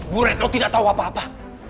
bu redno tidak tau apa apa